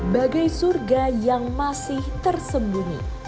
bagai surga yang masih tersembunyi